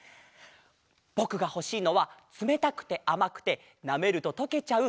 ぼくがほしいのはつめたくてあまくてなめるととけちゃう